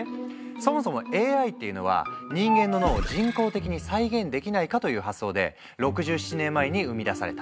そもそもＡＩっていうのは人間の脳を人工的に再現できないかという発想で６７年前に生み出された。